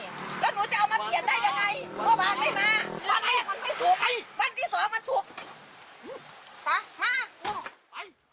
เมื่อวานไม่มาแล้วใดละว้านที่สองมันถูก